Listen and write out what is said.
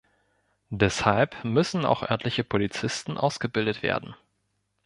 Deshalb müssen auch örtliche Polizisten ausgebildet werden.